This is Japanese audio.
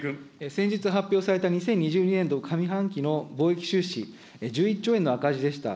先日発表された２０２２年度上半期の貿易収支、１１兆円の赤字でした。